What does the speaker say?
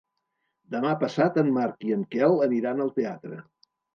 Demà passat en Marc i en Quel aniran al teatre.